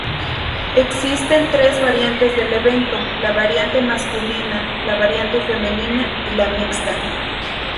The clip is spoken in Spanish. Existen tres variantes del evento, la variante masculina, la variante femenina y la mixta.